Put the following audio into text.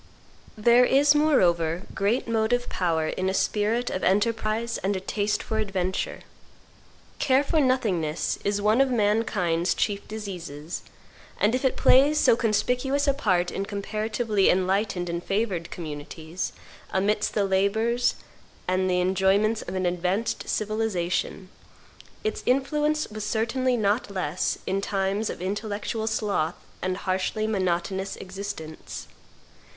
There is moreover great motive power in a spirit of enterprise and a taste for adventure. Care for nothingness is one of man kind's chief diseases, and if it plays so conspicuous a part in comparatively enlightened and favored communities, amidst the labors and the enjoyments of an advanced civilization, its influence was certainly not less in times of intellectual sloth and harshly monotonous existence.